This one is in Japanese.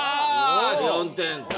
４点か。